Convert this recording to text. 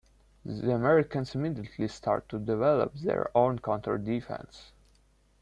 The Americans immediately start to develop their own counter-defense.